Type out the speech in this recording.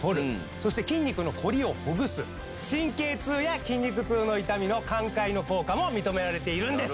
そして筋肉のコリをほぐす神経痛や筋肉痛の痛みの緩解の効果も認められているんです。